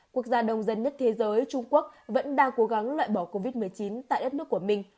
quốc gia đông dân nhất thế giới trung quốc vẫn đang cố gắng loại bỏ covid một mươi chín tại đất nước của mình